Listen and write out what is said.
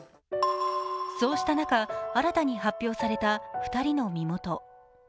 そうした中、新たに発表された２人の身元。